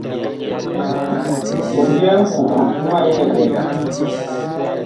Kondye ŋku muŋ a yeŋ eɓɛnga.